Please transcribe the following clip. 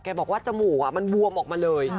บอกว่าจมูกมันบวมออกมาเลย